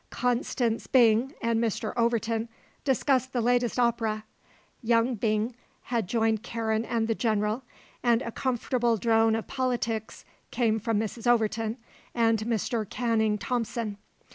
Constance Byng and Mr. Overton discussed the latest opera, young Byng had joined Karen and the General, and a comfortable drone of politics came from Mrs. Overton and Mr. Canning Thompson.